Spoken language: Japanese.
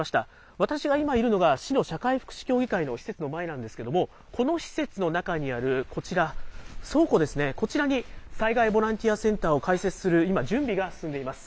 私が今いるのが、市の社会福祉協議会の施設の前なんですけれども、この施設の中にあるこちら、倉庫ですね、こちらに災害ボランティアセンターを開設する、今、準備が進んでいます。